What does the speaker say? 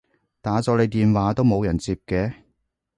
打咗你電話都冇人接嘅